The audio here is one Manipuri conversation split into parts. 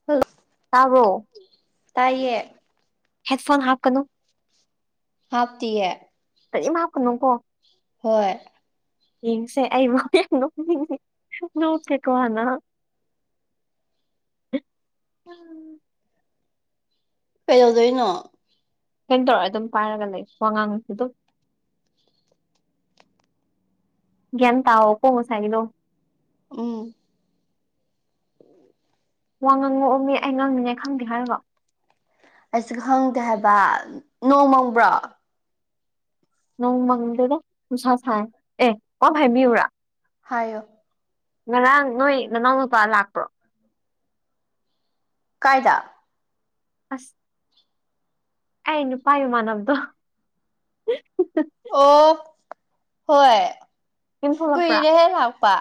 [unintelligible] ꯇꯥꯕ꯭ꯔꯣ ꯇꯥꯏꯌꯦ ꯍꯦꯠ ꯐꯣꯟ ꯍꯥꯞꯀꯅꯨ ꯍꯥꯞꯇꯤꯌꯦ ꯀꯔꯤꯝ ꯍꯥꯞꯀꯅꯨ ꯀꯣ ꯍꯣꯏ ꯌꯦꯁꯦ ꯑꯩꯕꯨ ꯅꯣꯛꯅꯤꯡꯉꯦ ꯅꯣꯠꯀꯦꯀꯣ ꯍꯥꯟꯅ ꯀꯩꯗꯧꯗꯣꯏꯅꯣ ꯀꯩꯝ ꯇꯧꯔꯣꯏ ꯑꯗꯨꯝ ꯄꯥꯏꯔꯒ ꯂꯩ ꯋꯥꯉꯥꯡꯁꯨ ꯑꯗꯨꯝ ꯒ꯭ꯌꯥꯟ ꯇꯥꯎꯀꯣ ꯉꯁꯥꯏꯒꯤꯗꯣ ꯎꯝ ꯋꯥ ꯉꯥꯡꯉꯛꯑꯣꯃꯦ ꯑꯩ ꯉꯥꯡꯅꯤꯡꯉꯥꯏ ꯈꯪꯗꯦ ꯍꯥꯏꯔꯒ ꯑꯩꯁꯨ ꯈꯪꯗꯦ ꯍꯥꯏꯕ ꯅꯣꯡꯃꯪꯕ꯭ꯔꯣ ꯅꯣꯡ ꯃꯪꯗꯦꯗ ꯅꯨꯡꯁꯥ ꯁꯥꯏ ꯑꯦ ꯋꯥ ꯑꯃ ꯍꯥꯏꯕꯤꯌꯨꯨꯔꯥ ꯍꯥꯏꯌꯣ ꯉꯔꯥꯡ ꯅꯣꯏ ꯅꯅꯥꯎ ꯅꯨꯨꯄꯥ ꯂꯥꯛꯄ꯭ꯔꯣ ꯀꯥꯏꯗ ꯑꯁ ꯑꯩ ꯅꯨꯄꯥ ꯃꯃꯥꯟꯅꯕꯗꯣ ꯑꯣ ꯍꯣꯏ ꯌꯨꯝ ꯊꯣꯛꯂꯛꯄ꯭ꯔꯥ ꯀꯨꯏꯔꯦ ꯍꯦ ꯂꯥꯛꯄ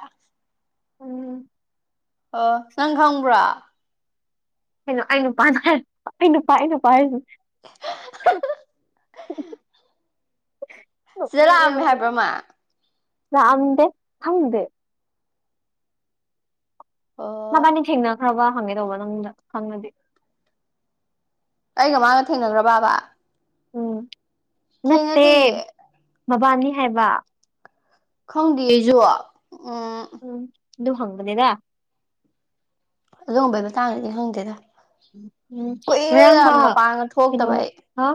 ꯎꯝ ꯑꯣ ꯅꯪ ꯈꯪꯕ꯭ꯔꯣ ꯀꯩꯅꯣ ꯑꯩ ꯅꯨꯄꯥ ꯍꯥꯏ ꯑꯩ ꯅꯨꯄꯥ ꯑꯩ ꯅꯨꯄꯥ ꯍꯥꯏꯁꯤ [unintelligible] ꯁꯤꯗ ꯂꯥꯛꯑꯝꯃꯦ ꯍꯥꯏꯕ꯭ꯔꯥ ꯃꯥ ꯂꯥꯛꯑꯝꯗꯦ ꯈꯪꯗꯦ ꯑꯣ ꯃꯕꯥꯅꯤ ꯊꯦꯡꯅꯈ꯭ꯔꯕ ꯍꯪꯉꯦ ꯇꯧꯕ ꯅꯪ ꯈꯪꯉꯗꯤ ꯑꯩꯒ ꯃꯥꯒ ꯊꯦꯡꯅꯈ꯭ꯔ ꯕꯥ ꯎꯝ ꯅꯠꯇꯦ ꯊꯦꯡꯅꯗꯤꯌꯦ ꯃꯕꯥꯅꯤ ꯍꯥꯏꯕ ꯈꯪꯗꯦ ꯑꯩꯁꯨ ꯎꯝ ꯎꯝ ꯑꯗꯨ ꯍꯪꯕꯅꯤꯗ ꯑꯗꯨꯒꯨꯝꯕꯩ ꯃꯇꯥꯡꯗꯗꯤ ꯈꯪꯗꯦꯗ ꯉꯔꯥꯡ ꯀꯨꯏꯔꯦꯗ ꯃꯥ ꯃꯄꯥꯟꯒ ꯀꯩꯅꯣ ꯊꯣꯛꯇꯕ ꯑꯩ ꯍꯥ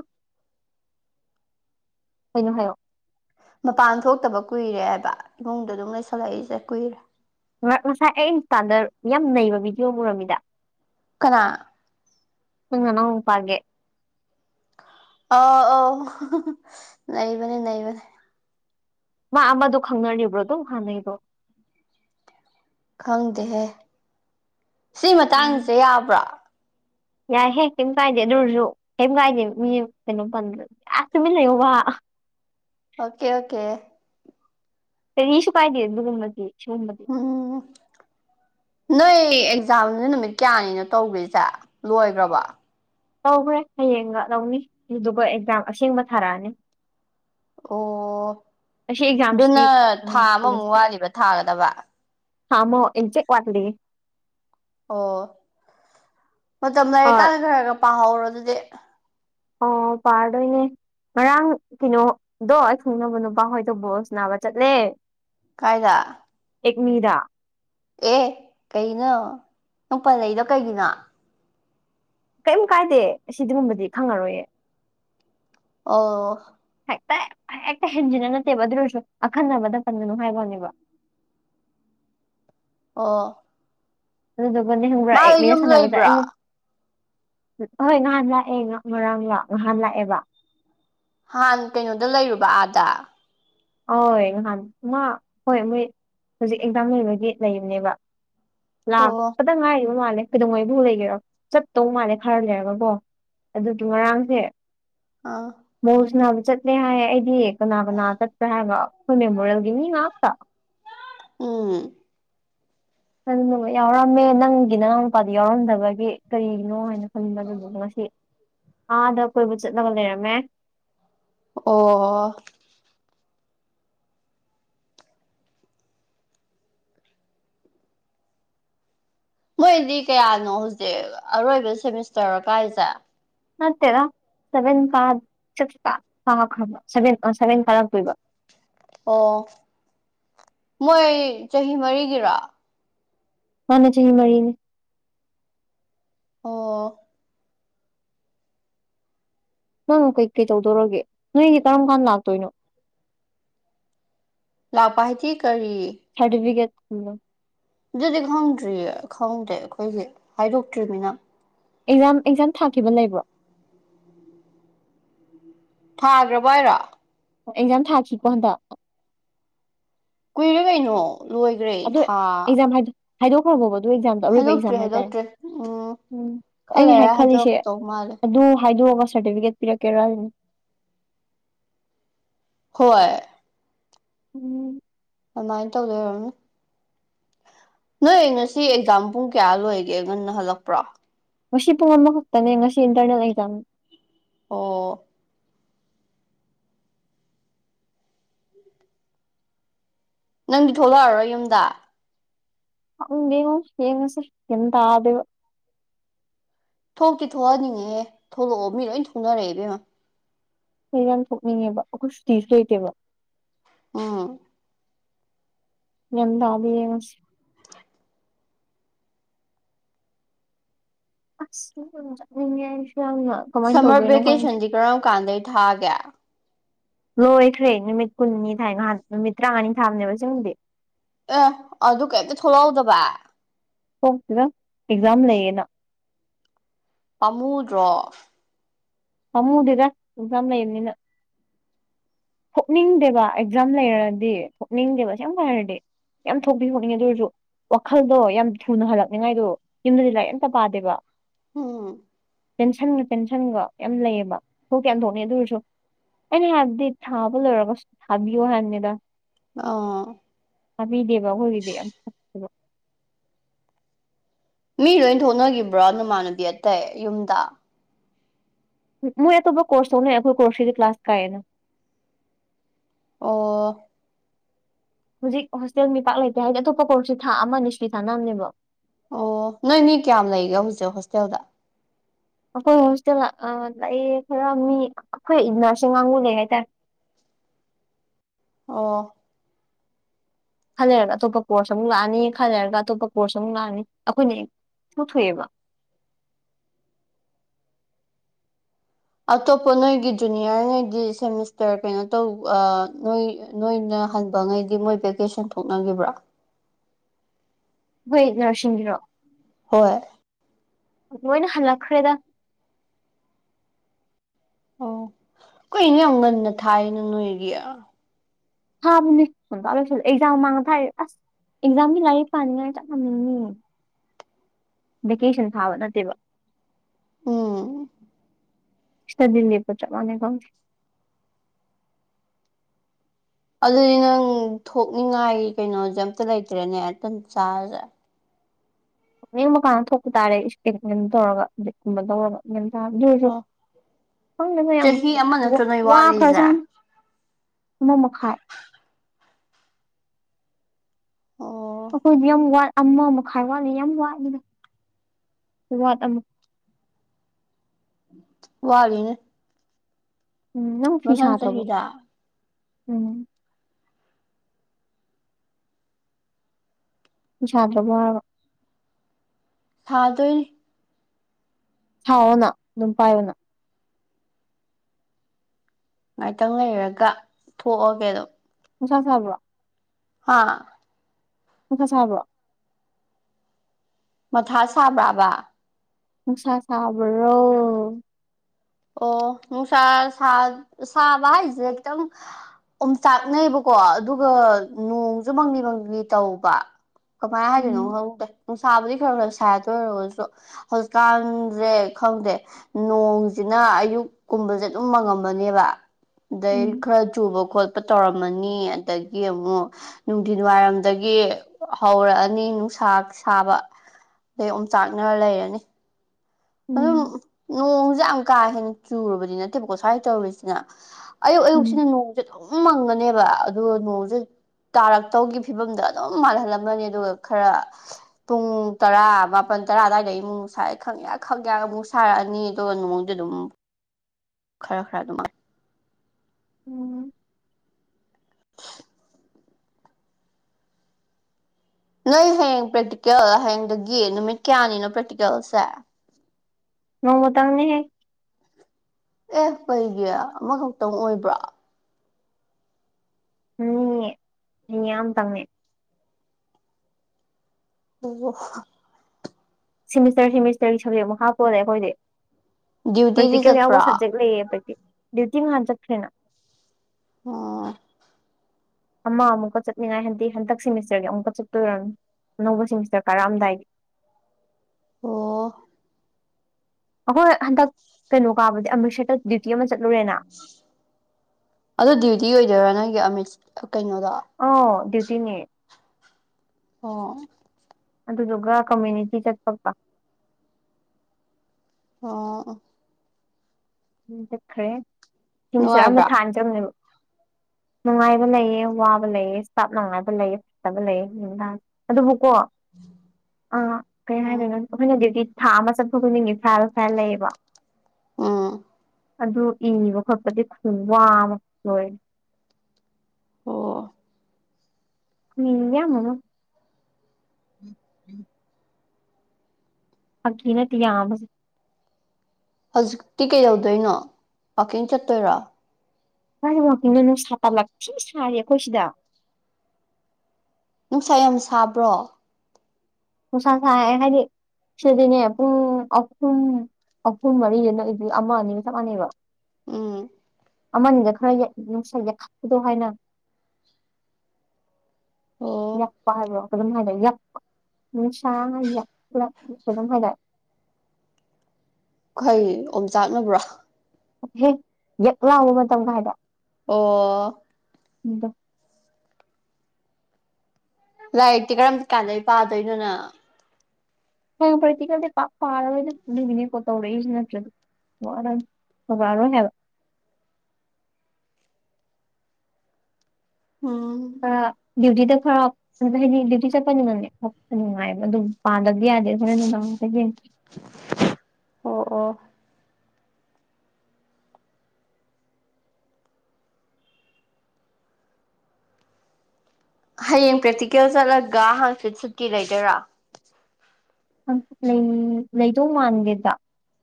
ꯀꯩꯅꯣ ꯍꯥꯏꯌꯣ ꯃꯄꯥꯟ ꯊꯣꯛꯇꯕ ꯀꯨꯏꯔꯦ ꯍꯥꯏꯕ ꯏꯃꯨꯡꯗ ꯑꯗꯨꯝ ꯂꯩꯁꯜꯂꯛꯏꯁꯦ ꯀꯨꯏꯔꯦ ꯉ ꯉꯁꯥꯏ ꯑꯩ ꯏꯟꯁꯇꯥꯗ ꯌꯥꯝ ꯅꯩꯕ ꯚꯤꯗꯤꯑꯣ ꯎꯨꯔꯝꯃꯤꯗ ꯀꯅꯥ ꯅꯪ ꯅꯅꯥꯎꯄꯥꯒꯤ ꯑꯣ ꯑꯣ ꯂꯩꯕꯅꯦ ꯂꯩꯕꯅꯦ ꯃꯥ ꯑꯃꯗꯣ ꯈꯪꯅꯔꯤꯕ꯭ꯔꯣ ꯑꯗꯨꯝ ꯍꯥꯟꯅꯩꯗꯣ ꯈꯪꯗꯦꯍꯦ ꯁꯤ ꯃꯇꯥꯡꯁꯦ ꯌꯥꯕ꯭ꯔꯣ ꯌꯥꯏ ꯍꯦꯛ ꯀꯩꯝ ꯀꯥꯏꯗꯦ ꯑꯗꯨ ꯑꯣꯏꯔꯁꯨ ꯀꯩꯝ ꯀꯥꯏꯗꯦ ꯃꯤ ꯀꯩꯅꯣ ꯄꯟ ꯇꯨꯃꯤꯟ ꯂꯩꯌꯣꯕ ꯑꯣꯀꯦ ꯑꯣꯀꯦ ꯀꯔꯤꯁꯨ ꯀꯥꯏꯗꯦ ꯑꯗꯨꯒꯨꯝꯕꯗꯤ ꯁꯤꯒꯨꯝꯕꯗꯤ ꯎꯝ ꯅꯣꯏ ꯑꯦꯛꯖꯥꯝꯁꯦ ꯅꯨꯃꯤꯠ ꯀꯌꯥꯅꯤꯅꯣ ꯇꯧꯒ꯭ꯔꯤꯁꯦ ꯂꯣꯏꯒ꯭ꯔꯕꯣ ꯇꯧꯈ꯭ꯔꯦ ꯍꯌꯦꯡꯒ ꯇꯨꯅꯤ ꯑꯗꯨꯗꯨꯒ ꯑꯦꯛꯖꯥꯝ ꯑꯁꯦꯡꯕ ꯊꯥꯔꯛꯑꯅꯤ ꯑꯣ ꯑꯁꯤ ꯑꯦꯛꯖꯥꯝꯁꯤꯗꯤ ꯑꯗꯨꯅ ꯎꯝ ꯊꯥ ꯑꯃꯃꯨꯛ ꯋꯥꯠꯂꯤꯕ ꯃꯥꯜꯂꯦ ꯊꯥꯒꯗꯕ ꯊꯥ ꯑꯃ ꯑꯦꯛꯖꯦꯛ ꯋꯥꯠꯂꯤ ꯑꯣ ꯃꯇꯝ ꯍꯣꯏ ꯂꯥꯏꯔꯤꯛꯀꯥꯟꯗ ꯈꯔ ꯈꯔ ꯄꯥꯍꯧꯔꯣ ꯑꯗꯨꯗꯤ ꯑꯣ ꯄꯥꯔꯗꯣꯏꯅꯦ ꯉꯔꯥꯡ ꯀꯩꯅꯣꯗꯣ ꯑꯩ ꯈꯪꯅꯕ ꯅꯨꯄꯥ ꯍꯣꯏꯗꯣ ꯕꯣꯜ ꯁꯥꯟꯅꯕ ꯆꯠꯂꯦ ꯀꯥꯏꯗ ꯑꯦꯛ ꯃꯤꯗꯥ ꯑꯦ ꯀꯩꯅꯣ ꯅꯪ ꯄꯥꯜꯂꯛꯢꯗꯣ ꯀꯩꯒꯤꯅꯣ ꯀꯔꯤꯝ ꯀꯥꯏꯗꯦ ꯑꯁꯤꯗꯨꯒꯨꯝꯕꯗꯤ ꯈꯪꯉꯔꯣꯏꯌꯦ ꯑꯣ ꯍꯦꯛꯇ ꯍꯦꯛꯇ ꯍꯦꯟꯖꯤꯟꯅ ꯅꯠꯇꯦꯕ ꯑꯗꯨ ꯑꯣꯢꯔꯁꯨ ꯑꯈꯟꯅꯕꯗ ꯄꯟꯒꯅꯣ ꯍꯥꯏꯕꯅꯦꯕ ꯑꯣ ꯑꯗꯨꯗꯨꯒꯅꯦ ꯈꯪꯕ꯭ꯔꯥ ꯃꯥꯗꯣ ꯑꯦꯛ ꯃꯤꯗ ꯌꯨꯝ ꯁꯥꯟꯅꯕꯗ ꯂꯩꯕ꯭ꯔꯣ ꯑꯩꯉꯣꯟ ꯍꯣꯏ ꯉꯍꯥꯟ ꯂꯥꯛꯑꯦ ꯉ ꯉꯔꯥꯡ ꯂ ꯉꯍꯥꯟ ꯂꯥꯛꯑꯦꯕ ꯍꯥꯟꯅ ꯀꯩꯅꯣꯗ ꯂꯩꯔꯨꯕ ꯑꯗꯥ ꯍꯣꯏ ꯅꯍꯥꯟ ꯉꯥ ꯍꯣꯏ ꯃꯣꯏ ꯍꯧꯖꯤꯛ ꯑꯦꯛꯖꯥꯝ ꯂꯣꯏꯕꯒꯤ ꯂꯩꯕꯅꯦꯕ ꯂꯥꯛ ꯑꯣ ꯄꯗ ꯉꯥꯏꯔꯤꯕ ꯃꯥꯜꯂ‌ꯦ ꯀꯩꯗꯧꯉꯩꯕꯨ ꯂꯩꯒꯦꯔꯣ ꯆꯠꯇꯧ ꯃꯥꯜꯂꯦ ꯈꯔ ꯂꯩꯔꯒꯀꯣ ꯑꯗꯨꯗꯤ ꯉꯔꯥꯡꯁꯦ ꯑꯥ ꯕ‌ꯣꯜ ꯁꯅꯥꯕ ꯆꯠꯂꯦ ꯍꯥꯏ ꯑꯩꯗꯤ ꯀꯅꯥ ꯀꯅꯥ ꯆꯠꯄ꯭ꯔꯥ ꯍꯥꯢꯔꯒ ꯑꯩꯈꯣꯏ ꯃꯦꯃꯣꯔꯤꯌꯦꯜꯒꯤ ꯃꯤ ꯉꯥꯛꯇ ꯎꯝ ꯌꯥꯎꯔꯝꯃꯦ ꯅꯪꯒꯤ ꯅꯅꯥꯎ ꯅꯨꯄꯥꯗꯤ ꯌꯥꯎꯔꯝꯗꯕꯒꯤ ꯀꯔꯤꯒꯤꯅꯣ ꯍꯥꯏꯅ ꯈꯟꯕ ꯑꯗꯨꯕꯨ ꯉꯁꯤ ꯑꯥꯗ ꯀꯣꯏꯕ ꯆꯠꯂꯒ ꯂꯩꯔꯝꯃꯦ ꯑꯣ ꯃꯣꯏꯗꯤ ꯀꯌꯥꯅꯣ ꯍꯧꯖꯤꯛ ꯑꯔꯣꯏꯕ ꯁꯦꯃꯤꯁꯇꯔ‌ꯣ ꯀꯥꯏꯖ‌ꯦ ꯅꯠꯇ‌ꯦꯗ ꯁꯚꯦꯟ ꯀꯥ ꯁꯤꯛꯁꯀ ꯀꯥꯛꯈ꯭ꯔꯕ ꯁꯚ‌ꯦꯟ ꯁꯚꯦꯟ ꯀꯥꯔꯛꯇ‌ꯣꯏꯕ ꯑꯣ ꯃꯣꯏ ꯆꯍꯤ ꯃꯔꯤꯒꯤꯔꯣ ꯃꯥꯅ‌ꯦ ꯆꯍꯤ ꯃꯔꯤꯅꯦ ꯑꯣ ꯅꯪ ꯀꯩꯀꯩ ꯇꯧꯗꯧꯔꯒꯦ ꯅꯣꯏꯗꯤ ꯀꯔꯝ ꯀꯥꯟꯗ ꯂꯥꯛꯇꯣꯏꯅꯣ ꯂꯥꯛꯄꯥ ꯍꯥꯏꯗꯤ ꯀꯔꯤ ꯁꯔꯇꯤꯐꯤꯀꯦꯠ ꯀꯨꯝꯕ ꯑꯗꯨꯗꯤ ꯈꯪꯗ꯭ꯔꯤꯌꯦ ꯈꯪꯗ‌ꯦ ꯑꯩꯈꯣꯏꯒꯤ ꯍꯥꯏꯗꯣꯛꯇ꯭ꯔꯤꯃꯤꯅ ꯑꯦꯛꯖꯥꯝ ꯑꯦꯛꯖꯥꯝ ꯊꯥꯈꯤꯕ ꯂꯩꯕ꯭ꯔꯣ ꯊꯥꯈ꯭ꯔꯕ ꯍꯥꯏꯔꯣ ꯑꯦꯛꯖꯥꯝ ꯊꯥꯈꯤꯀꯣ ꯍꯟꯗꯛ ꯀꯨꯏꯔꯦ ꯀꯩꯅꯣ ꯂꯣꯏꯈ꯭ꯔꯦ ꯊꯥ ꯍꯥꯏꯗꯣꯛꯈ꯭ꯔꯕꯣ ꯑꯗꯨ ꯑꯦꯛꯖꯥꯝꯗꯣ ꯑꯔꯣꯏꯕ ꯍꯥꯏꯗꯣꯛꯇ꯭ꯔꯤ ꯑꯦꯛꯖꯥꯝ ꯍꯥꯏꯇꯥꯔꯦ ꯍꯥꯏꯗꯣꯛꯇ꯭ꯔꯤ ꯎꯝ ꯈꯔ ꯑꯩꯅ ꯍꯥꯏ ꯂꯩꯔ ꯈꯜꯂꯤꯁꯦ ꯍꯥꯏꯗꯣꯔꯛꯇꯧ ꯃꯥꯜꯂꯦ ꯑꯗꯨ ꯍꯥꯏꯗꯣꯛꯑꯒ ꯁꯥꯔꯇꯤꯗꯤꯕꯤꯒ‌ꯦꯠ ꯄꯤꯔꯛꯀꯦꯔꯥ ꯑꯗꯨꯅꯤ ꯍꯣꯏ ꯎꯝ ꯑꯗꯨꯃꯥꯏꯅ ꯇꯧꯗ‌ꯣꯏ ꯑꯣꯏꯔꯝꯅꯤ ꯅꯣꯏ ꯉꯁꯤ ꯑꯦꯛꯖꯥꯝ ꯄꯨꯡ ꯀꯌꯥ ꯂꯣꯏꯒꯦ ꯉꯟꯅ ꯍꯜꯂꯛꯄ꯭ꯔꯣ ꯉꯁꯤ ꯄꯨꯡ ꯑꯃꯈꯛꯇꯅꯦ ꯉꯁꯤ ꯏꯟꯇꯔꯅꯦꯜ ꯑꯦꯛꯖꯥꯝ ꯑꯣ ꯅꯪꯗꯤ ꯊꯣꯛꯂꯛꯑꯔꯣꯏ ꯌꯨꯝꯗ ꯈ‌ꯪꯗ‌ꯦꯗ ꯌ‌ꯦꯡꯉꯁꯤ ꯌꯦꯟ ꯇꯥꯗ‌ꯦꯕ ꯊꯣꯛꯇꯤ ꯊꯣꯛꯍꯟꯅꯤꯡꯉꯦ ꯊꯣꯛꯂꯛꯑꯣ ꯃꯤ ꯂꯣꯏ ꯊꯣꯡꯅꯔꯛꯑꯦ ꯢꯕꯦꯝꯃꯥ ꯑꯩ ꯌꯥꯝ ꯊꯣꯛꯅꯤꯡꯉꯦꯕ ꯑꯩꯈꯣꯏ ꯁꯨꯇꯤꯁꯨ ꯂꯩꯇꯦꯕ ꯎꯝ ꯒꯌꯥꯟ ꯇꯥꯗꯦ ꯑꯁ ꯌꯨꯝ ꯌꯥꯝ ꯆꯠꯅꯤꯡꯉ‌ꯦ ꯑꯩꯁꯨ ꯌꯥꯝꯅ ꯀꯃꯥꯏꯅ ꯁꯝꯃꯔ ꯇꯧꯗꯣꯏꯅꯣ ꯈꯪꯗꯦ ꯚꯦꯀꯦꯁꯟꯗꯤ ꯀꯔꯝ ꯀꯥꯟꯗꯩ ꯊꯥꯒꯦ ꯂꯣꯏꯈ꯭ꯔꯦ ꯅꯨꯃꯤꯠ ꯀꯨꯟꯅꯤ ꯊꯥꯏ ꯅꯍꯥꯟ ꯅꯨꯃꯤꯠ ꯇꯔꯥꯉꯥꯅꯤ ꯊꯥꯕꯅꯦꯕ ꯑꯁꯦꯡꯕꯗꯤ ꯑꯦ ꯑꯗꯨꯒ ꯀꯩꯝꯇ ꯊꯣꯛꯂꯛꯍꯧꯗꯕ ꯊ‌ꯣꯛꯇ‌ꯦꯗ ꯑꯦꯛꯖꯥꯝ ꯂꯩꯌꯦꯅ ꯄꯥꯝꯃꯨꯗ꯭ꯔꯣ ꯄꯥꯜꯃꯨꯗꯦꯗꯥ ꯑꯦꯛꯖꯥꯝ ꯂꯩꯕꯅꯤꯅ ꯊꯣꯛꯅꯤꯡꯗꯦꯕ ꯑꯦꯛꯖꯥꯝ ꯂꯩꯔꯗꯤ ꯊꯣꯛꯅꯤꯡꯗꯦꯕ ꯑꯁꯦꯡꯕ ꯍꯥꯏꯔꯗꯤ ꯌꯥꯝ ꯊꯣꯛꯇꯤ ꯊꯣꯛꯅꯤꯡꯉꯦ ꯑꯗꯨ ꯑꯣꯏꯔꯁꯨ ꯋꯥꯈꯜꯗꯣ ꯌꯥꯝ ꯊꯨꯅ ꯍꯜꯂꯛꯅꯤꯡꯉꯥꯏꯗꯣ ꯌꯨꯝꯗꯗꯤ ꯂꯥꯏꯔꯤꯛ ꯑꯝꯇ ꯄꯥꯗꯦꯕ ꯑꯝ ꯇꯦꯟꯁꯟꯒ ꯇꯦꯟꯁꯟꯒ ꯌꯥꯝ ꯂꯩꯌꯦꯕ ꯊꯣꯛꯇꯤ ꯌꯥꯝ ꯊꯣꯛꯅꯤꯡꯏ ꯑꯗꯨ ꯑꯣꯏꯔꯁꯨ ꯑꯩꯅ ꯍꯥꯏꯕꯗꯤ ꯊꯥꯕ ꯂꯣꯏꯔꯒꯁꯨ ꯊꯕꯤꯑꯣ ꯍꯥꯏꯕꯅꯤꯗꯥ ꯑꯥ ꯊꯥꯕꯤꯗꯦꯕ ꯑꯩꯈꯣꯏꯒꯤꯗꯤ ꯑꯝꯇ ꯃꯤ ꯂꯣꯏ ꯊꯣꯛꯅꯒꯤꯕ꯭ꯔꯣ ꯅꯃꯥꯟꯅꯕꯤ ꯑꯇꯩ ꯌꯨꯝꯗ ꯃꯣꯏ ꯑꯇꯣꯞꯄ ꯀꯣꯔꯁ ꯊꯣꯛꯅꯩ ꯑꯩꯈꯣꯏ ꯀꯣꯔꯁ ꯀꯤꯗꯤ ꯀ꯭ꯂꯥꯁ ꯀꯥꯏꯌꯦꯅ ꯑꯣ ꯍꯧꯖꯤꯛ ꯍꯣꯁꯇꯦꯜ ꯃꯤꯄꯥꯛ ꯂꯩꯇꯦ ꯍꯥꯏꯗꯤ ꯑꯇꯣꯞꯄ ꯀꯣꯔꯁꯀꯤ ꯊꯥ ꯑꯃ ꯅꯤ ꯁꯨꯇꯤ ꯊꯥꯅꯕꯅꯦꯕ ꯑꯣ ꯅꯣꯏ ꯃꯤ ꯀꯌꯥꯝ ꯂꯩꯒꯦ ꯍꯧꯖꯤꯛ ꯍꯣꯁꯇꯦꯜꯗ ꯑꯩꯈꯣꯏ ꯍꯣꯁꯇꯦꯜ ꯑ ꯂꯩꯑꯦ ꯈꯔ ꯃꯤ ꯑꯩꯈꯣꯏ ꯅꯔꯁꯤꯡ ꯀꯥꯡꯕꯨ ꯂꯩ ꯍꯥꯏꯇꯥꯔꯦ ꯑꯣ ꯈꯔ ꯂꯩꯔꯒ ꯑꯇꯣꯞꯄ ꯀꯣꯔꯁ ꯑꯃꯨꯛ ꯂꯥꯛꯑꯅꯤ ꯈꯔ ꯂꯩꯔꯒ ꯑꯇꯣꯞꯄ ꯀꯣꯔꯁ ꯑꯃꯨꯛ ꯂꯥꯛꯑꯅꯤ ꯑꯩꯈꯣꯏꯅ ꯏꯊꯨ ꯊꯨꯏꯑꯦꯕ ꯑꯇꯣꯞꯄ ꯅꯣꯏꯒꯤ ꯖꯨꯅꯤꯌꯔꯉꯩꯗꯤ ꯁꯦꯃꯤꯁꯇꯔ ꯀꯩꯅꯣ ꯇꯧ ꯑꯥ ꯅꯣꯏ ꯅꯣꯏꯅ ꯍꯟꯕ ꯉꯩꯗꯤ ꯃꯣꯏ ꯚꯦꯀꯦꯁꯟ ꯊꯣꯛꯅꯈꯤꯕ꯭ꯔꯣ ꯍꯣꯏ ꯅꯔꯁꯤꯡꯒꯤꯔꯣ ꯍꯣꯏ ꯂꯣꯏꯅ ꯍꯜꯂꯛꯈ꯭ꯔꯦꯗ ꯑꯣ ꯀꯩꯏꯅꯦ ꯌꯥꯝ ꯉꯟꯅ ꯊꯥꯏꯅ ꯅꯣꯏꯒꯤ ꯊꯥꯕꯅꯦ ꯉꯟꯇꯥ ꯂꯣꯏꯁꯜꯂꯦ ꯑꯦꯛꯖꯥꯝ ꯃꯃꯥꯥꯡꯗ ꯊꯥꯢꯌꯦ ꯑꯁ ꯑꯦꯛꯖꯥꯝꯒꯤ ꯂꯥꯏꯔꯤꯛ ꯄꯥꯅꯤꯡꯉꯥꯏ ꯆꯞꯃꯥꯟꯅꯩꯅꯤ ꯚꯦꯀꯦꯁꯟ ꯊꯥꯕ ꯅꯠꯇꯦꯕ ꯎꯝ ꯏꯁꯇꯗꯤ ꯂꯤꯞꯀ ꯆꯞ ꯃꯥꯟꯅꯩ ꯈꯪꯗꯦ ꯑꯗꯨꯗꯤ ꯅꯪ ꯊꯣꯛꯅꯤꯡꯉꯥꯏ ꯀꯩꯅꯣꯁꯦ ꯑꯝꯇ ꯂꯩꯇꯔꯦꯅꯦ ꯑꯇ ꯆꯥꯔꯁꯦ ꯊꯣꯛꯅꯤꯡꯕ ꯀꯥꯟꯗ ꯊꯣꯛꯄ ꯇꯥꯔꯦ ꯏꯟꯁꯄꯦꯛꯁꯟ ꯇꯧꯔꯒ ꯂꯦꯞ ꯀꯨꯝꯕ ꯂꯞꯔꯒ ꯑꯗꯨ ꯑꯣꯏꯔꯁꯨ ꯑꯣ ꯈꯪꯗꯦꯗ ꯌꯥꯝ ꯆꯍꯤ ꯑꯃ ꯋꯥ ꯅꯠꯇ꯭ꯔꯣ ꯅꯣꯏ ꯋꯥ ꯋꯥꯠꯂꯤꯁꯦ ꯈ꯭ꯔꯖꯥꯠꯅꯤ ꯑꯃ ꯃꯈꯥꯏ ꯑꯣ ꯑꯩꯈꯣꯏꯗꯤ ꯌꯥꯝ ꯋꯥꯠ ꯑꯃ ꯃꯈꯥꯏ ꯋꯥꯠꯂꯤ ꯌꯥꯝ ꯋꯥꯠꯂꯤꯗ ꯈꯨꯋꯥꯠ ꯑꯃ ꯋꯥꯂꯤꯅꯦ ꯎꯝ ꯅꯪ ꯐꯤ ꯁꯥꯗ꯭ꯔꯕꯣ ꯆꯍꯤꯗ ꯎꯝ ꯐꯤ ꯁꯥꯗ꯭ꯔꯕꯣ ꯍꯥꯏꯔꯒ ꯊꯥꯗꯣꯏ ꯁꯥꯎꯑꯣꯅ ꯑꯗꯨꯝ ꯄꯥꯏꯌꯣꯅ ꯉꯥꯏꯇꯪ ꯂꯩꯔꯒ ꯊꯣꯛꯑꯒꯦ ꯑꯗꯣ ꯅꯨꯡꯁꯥ ꯁꯥꯕꯔꯣ ꯍꯥ ꯅꯨꯡꯁꯥ ꯁꯥꯕꯔꯣ ꯃꯊꯥ ꯁꯥꯕ꯭ꯔꯥꯕ ꯅꯨꯡꯁꯥ ꯁꯥꯕꯔꯣ ꯑꯣ ꯅꯨꯡꯁꯥ ꯁꯥ ꯁꯥꯕ ꯍꯥꯏꯁꯦ ꯈꯤꯇꯪ ꯑꯣꯝꯆꯥꯛꯅꯩꯕꯀꯣ ꯑꯗꯨꯒ ꯅꯣꯡꯁꯨ ꯃꯪꯂꯤ ꯃꯪꯂꯤ ꯇꯧꯕ ꯀꯃꯥꯏ ꯍꯥꯏꯗꯣꯏꯅꯣ ꯎꯝ ꯈꯪꯗꯦ ꯅꯨꯡꯁꯥꯕꯨꯗꯤ ꯈꯔ ꯈꯔ ꯁꯥꯏ ꯑꯗꯨ ꯑꯣꯏꯔꯒꯁꯨ ꯍꯧꯖꯤꯛꯀꯥꯟꯁꯦ ꯈꯪꯗꯦ ꯅꯣꯡ ꯖꯤꯅ ꯑꯌꯨꯛ ꯀꯨꯝꯕꯖꯦ ꯑꯗꯨꯝ ꯃꯪꯉꯝꯃꯅꯦꯕ ꯑꯗꯩ ꯎꯝ ꯈꯔ ꯆꯨꯕ ꯈꯣꯠ ꯇꯧꯔꯝꯃꯅꯤ ꯑꯗꯒꯤ ꯑꯃꯨꯛ ꯅꯨꯡꯊꯤꯟ ꯋꯥꯏꯔꯝꯗꯒꯤ ꯍꯧꯔꯛꯑꯅꯤ ꯅꯨꯡꯁꯥ ꯁꯥꯕ ꯑꯗꯩ ꯑꯣꯝꯆꯥꯛꯅꯔꯒ ꯂꯩꯔꯅꯤ ꯎꯝ ꯑꯗꯨꯝ ꯅꯣꯡꯁꯦ ꯌꯥꯝ ꯀꯥ ꯍꯦꯟꯅ ꯆꯨꯨꯕꯗꯤ ꯅꯠꯇꯦꯕꯀꯣ ꯁ꯭ꯋꯥꯏ ꯇꯧꯔꯤꯁꯤꯅ ꯑꯌꯨꯛ ꯑꯌꯨꯛꯁꯤꯅ ꯎꯝ ꯅꯣꯡꯁꯦ ꯑꯗꯨꯝ ꯃꯪꯉꯅꯦꯕ ꯑꯗꯨꯒ ꯅꯣꯡꯁꯦ ꯇꯥꯔꯛꯇꯧꯒꯤ ꯐꯤꯕꯝꯗ ꯑꯗꯨꯝ ꯃꯥꯜꯍꯜꯂꯝꯃꯅꯤ ꯑꯗꯨꯒ ꯈꯔ ꯄꯨꯡ ꯇꯔꯥ ꯃꯥꯄꯜ ꯇꯔꯥ ꯑꯗꯨꯋꯥꯏꯗꯩ ꯃꯨꯛ ꯅꯨꯡꯁꯥ ꯈꯪꯌꯥꯛ ꯈꯪꯌꯥꯛ ꯑꯃꯨꯛ ꯁꯥꯔꯛꯑꯅꯤ ꯑꯗꯨꯒ ꯅꯣꯡꯖꯦ ꯑꯗꯨꯝ ꯈꯔ ꯈꯔ ꯑꯗꯨꯃꯥꯏ ꯎꯝ ꯅꯣꯏ ꯍꯌꯦꯡ ꯄ꯭ꯔꯦꯛꯇꯤꯀꯦꯜ ꯍꯌꯦꯡꯗꯒꯤ ꯅꯨꯃꯤꯠ ꯀꯌꯥꯅꯤꯅꯣ ꯄ꯭ꯔꯦꯛꯇꯤꯀꯦꯜꯁꯦ ꯅꯣꯡꯃꯇꯪꯅꯦꯍꯦ ꯑꯦ ꯀꯩꯒꯤ ꯑꯃꯈꯛꯇꯪ ꯑꯣꯏꯕ꯭ꯔꯣ ꯃꯤ ꯃꯤꯌꯥꯝꯇꯝꯃꯦ [unintelligible] ꯁꯤꯃꯤꯁꯇꯔ ꯁꯤꯃꯤꯁꯇꯔꯒꯤ ꯁꯕꯖꯦꯛ ꯃꯈꯥ ꯄꯣꯜꯂꯦ ꯑꯩꯈꯣꯏꯗꯤ ꯗ꯭ꯌꯨꯇꯤꯗꯤ ꯄ꯭ꯔꯦꯛꯇꯤꯀꯦꯜ ꯆꯠꯄ꯭ꯔꯣ ꯌꯥꯎꯕ ꯁꯖꯦꯛ ꯂꯩꯌꯦ ꯑꯩꯈꯣꯏꯗꯤ ꯗꯌꯨꯇꯤ ꯉꯍꯥꯟ ꯆꯠꯈ꯭ꯔꯦꯅ ꯑꯣ ꯑꯃ ꯑꯃꯨꯛꯀ ꯆꯠꯅꯤꯡꯉꯥꯏ ꯍꯥꯏꯗꯤ ꯍꯟꯗꯛ ꯁꯦꯃꯤꯁꯇꯔꯒꯤ ꯑꯃꯨꯛꯀ ꯆꯠꯇꯣꯏ ꯑꯣꯏꯔꯝꯅꯤ ꯑꯅꯧꯕ ꯁꯦꯃꯤꯁꯇꯔ ꯀꯥꯔꯛꯑꯝꯗꯥꯏꯒꯤ ꯑꯣ ꯑꯩꯈꯣꯏ ꯍꯟꯗꯛ ꯀꯩꯅꯣ ꯀꯥꯕꯗꯤ ꯑꯃ꯭ꯔꯤꯠꯁꯔꯗ ꯗ꯭ꯌꯨꯇꯤ ꯑꯃ ꯆꯠꯂꯨꯔꯦꯅ ꯑꯗꯨ ꯗ꯭ꯌꯨꯇꯤ ꯑꯣꯏꯗꯣꯏꯔꯣ ꯅꯪꯒꯤ ꯑꯃꯤꯠ ꯀꯩꯅꯣꯗ ꯑꯧ ꯗ꯭ꯌꯨꯇꯤꯅꯤ ꯑꯣ ꯑꯗꯨꯗꯨꯒ ꯀꯃꯨꯅꯤꯇꯤ ꯆꯠꯄꯒ ꯑꯣ ꯎꯝ ꯆꯠꯈ꯭ꯔꯦ ꯁꯤꯃꯤꯁꯇꯔ ꯑꯃꯗ ꯅꯨꯡꯉꯥꯏꯕ꯭ꯔꯥ ꯊꯥ ꯑꯅꯤ ꯆꯪꯅꯦꯕ ꯅꯨꯡꯉꯥꯏꯕ ꯂꯩꯌꯦ ꯋꯥꯕ ꯂꯩꯌꯦ ꯏꯁꯇꯥꯞ ꯅꯨꯡꯉꯥꯏꯕ ꯂꯩꯌꯦ ꯐꯇꯕ ꯂꯩꯌꯦ ꯅꯨꯡꯗꯥꯡ ꯑꯗꯨꯕꯨꯀꯣ ꯑ ꯀꯩ ꯎꯝ ꯍꯥꯏꯗꯣꯏꯅꯣ ꯑꯩꯈꯣꯏꯅ ꯗ꯭ꯌꯨꯇꯤ ꯊꯥ ꯑꯃ ꯆꯠꯄ ꯈꯨꯗꯤꯡꯒꯤ ꯐꯥꯏꯜ ꯐꯥꯏꯜ ꯂꯩꯌꯦꯕ ꯎꯝ ꯑꯗꯨ ꯏꯕ ꯈꯣꯠꯄꯗꯤ ꯈꯨꯋꯥ ꯑꯃ ꯂꯣꯏꯔꯦ ꯑꯣ ꯃꯤꯌꯥꯝꯑꯃ ꯐꯒꯤ ꯅꯠꯇꯦ ꯌꯥꯝꯕꯖꯦ ꯍꯧꯖꯤꯛꯇꯤ ꯀꯩꯗꯧꯗꯣꯏꯅꯣ ꯋꯥꯛꯀꯤꯡ ꯆꯠꯇꯣꯏꯔꯣ ꯀꯥꯏꯗꯩ ꯋꯥꯀꯤꯡꯅꯣ ꯅꯨꯡꯁꯥ ꯇꯥꯜꯂꯛ ꯊꯤ ꯁꯥꯔꯤ ꯑꯩꯈꯣꯏ ꯁꯤꯗ ꯅꯨꯡꯁꯥ ꯌꯥꯝ ꯁꯥꯕ꯭ꯔꯣ ꯅꯨꯡꯁꯥ ꯁꯥꯏ ꯍꯥꯏꯗꯤ ꯁꯤꯗꯗꯤꯅꯦ ꯄꯨꯡ ꯑꯍꯨꯝ ꯑꯍꯨꯝ ꯃꯔꯤ [unintelligible] ꯑꯃ ꯑꯅꯤꯒ ꯆꯞ ꯃꯥꯟꯅꯩꯕ ꯎꯝ ꯑꯃ ꯑꯅꯤꯗ ꯈꯔ ꯌꯛ ꯅꯨꯡꯁꯥ ꯌꯥꯛꯈꯠꯄꯗꯣ ꯍꯥꯏꯅ ꯑꯣ ꯌꯥꯛꯄꯥ ꯍꯥꯏꯕ꯭ꯔꯣ ꯀꯩꯅꯣꯝ ꯍꯥꯏꯗꯥꯏ ꯌꯥꯛꯄ ꯅꯨꯡꯁꯥ ꯌꯥꯛ ꯌꯥꯛ ꯀꯩꯅꯣꯝ ꯍꯥꯏꯗꯥꯏ ꯀꯩ ꯑꯣꯝꯆꯥꯛꯅꯕ꯭ꯔꯣ ꯍꯦ ꯌꯛ ꯂꯥꯎꯕ ꯃꯇꯝꯒ ꯍꯥꯏꯗꯣ ꯑꯣ [unintelligible] ꯂꯥꯏꯔꯤꯛꯇꯤ ꯀꯔꯝ ꯀꯥꯟꯗꯩ ꯄꯥꯗꯣꯏꯅꯣ ꯅꯪ ꯍꯌꯦꯡ ꯄ꯭ꯔꯦꯛꯇꯤꯀꯦꯜꯗꯤ ꯄꯥꯛ ꯄꯥꯔꯥꯔꯣꯏꯗ ꯑꯗꯨꯒꯤꯅꯦ ꯀꯣꯜ ꯇꯧꯔꯛꯑꯤꯁꯤ ꯅꯠꯇ꯭ꯔꯗꯤ [unintelligible] ꯇꯧꯔꯛꯑꯔꯣꯏ ꯍꯥꯏꯕ ꯎꯝ ꯈꯔ ꯗ꯭ꯌꯨꯇꯤꯗ ꯈꯔ ꯍꯥꯏꯗꯤ ꯗ꯭ꯌꯨꯇꯤ ꯆꯠꯄꯅꯤꯅꯅꯦ ꯊꯕꯛꯇ ꯅꯨꯡꯉꯥꯏꯑꯦꯕ ꯑꯗꯨꯝ ꯄꯥꯗꯕꯗꯤ ꯌꯥꯗꯦ ꯍꯣꯔꯦꯟ ꯅꯨꯡꯗꯥꯡ ꯍꯥꯏꯐꯦꯠ ꯌꯦꯡꯒꯦ ꯑꯣ ꯑꯣ ꯍꯌꯦꯡ ꯄ꯭ꯔꯦꯛꯇꯤꯀꯦꯜ ꯆꯠꯂꯒ ꯍꯥꯡꯆꯤꯠ ꯁꯨꯇꯤ ꯂꯩꯗꯣꯏꯔꯣ ꯍꯪ ꯂꯩ ꯂꯩꯗꯧ ꯃꯥꯟꯗꯦꯗ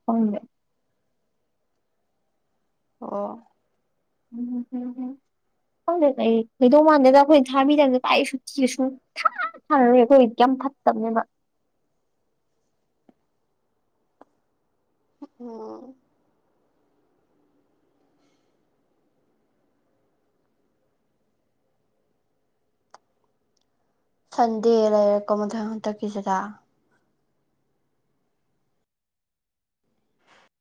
ꯈꯪꯗꯦ ꯑꯣ [unintelligible] ꯈꯪꯗꯦ ꯀꯩ ꯂꯩꯗꯧꯃꯥꯟꯗꯦꯗ ꯑꯩꯈꯣꯏꯅ ꯊꯥꯕꯤꯗꯝꯅꯤ ꯀꯥꯏ [unintelligible] ꯊꯥ ꯊꯥꯔꯣꯏ ꯑꯩꯈꯣꯏꯗꯤ ꯌꯥꯝ ꯐꯠꯇꯕꯅꯦꯕ [unintelligible] ꯁꯟꯗꯦ ꯂꯩꯔꯦꯀꯣ ꯃꯊꯪ ꯍꯟꯗꯛꯀꯤꯁꯤꯗ